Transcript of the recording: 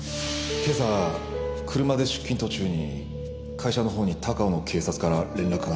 今朝車で出勤途中に会社のほうに高尾の警察から連絡があったと聞きまして。